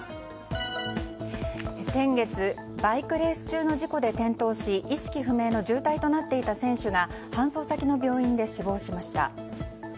先月、バイクレース中の事故で転倒し意識不明の重体となっていた選手が搬送先の病院で死亡しました。